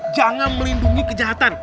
jangan melindungi kejahatan